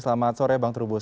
selamat sore bang terus